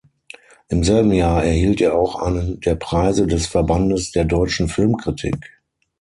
Im selben Jahr erhielt er auch einen der Preise des Verbandes der Deutschen Filmkritik.